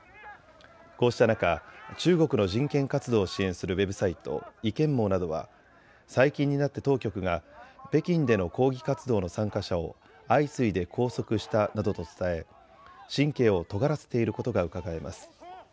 こうした中、中国の人権活動を支援するウェブサイト、維権網などは最近になって当局が北京での抗議活動の参加者を相次いで拘束したなどと伝え神経をとがらせていることがうかがえます。